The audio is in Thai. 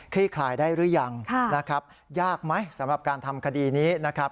คลายได้หรือยังนะครับยากไหมสำหรับการทำคดีนี้นะครับ